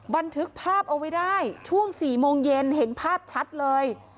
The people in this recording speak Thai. บันทึกภาพเอาไว้ได้ช่วง๔โมงเย็นเห็นภาพชัดเลย